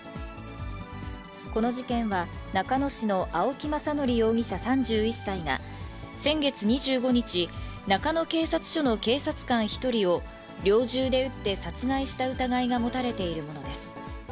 この事件は、中野市の青木政憲容疑者３１歳が、先月２５日、中野警察署の警察官１人を、猟銃で撃って殺害した疑いが持たれているものです。